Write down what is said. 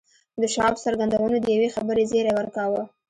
د شواب څرګندونو د یوې خبرې زیری ورکاوه